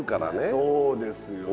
そうですよね。